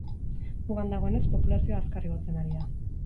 Mugan dagoenez populazioa azkar igotzen ari da.